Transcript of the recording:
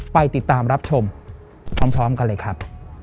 ไปติดตามรับชมพร้อมกันเลยครับ